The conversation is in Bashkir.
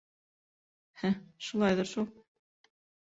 Һы, шулайҙыр шул...